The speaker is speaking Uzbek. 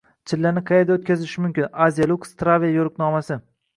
Chillani qayerda o‘tkazish mumkin: Asialuxe Travel yo‘riqnomasi